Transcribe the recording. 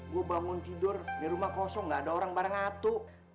gue bangun tidur di rumah kosong gak ada orang barang ngatu